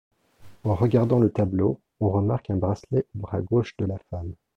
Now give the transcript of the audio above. En regardant le tableau, on remarque un bracelet au bras gauche de la femme.